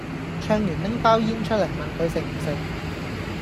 唱完拎包煙出黎問佢食唔食